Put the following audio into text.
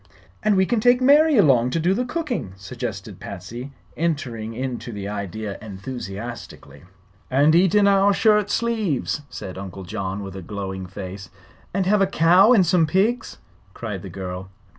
"And we can take Mary along to do the cooking," suggested Patsy, entering into the idea enthusiastically. "And eat in our shirt sleeves!" said Uncle John, with a glowing face. "And have a cow and some pigs!" cried the girl.